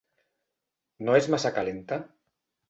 No és massa calenta?